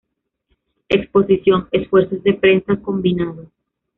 Exposición: Esfuerzos de prensa combinados.